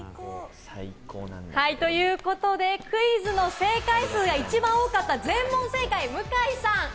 はい、ということでクイズの正解数が一番多かった全問正解、向井さん！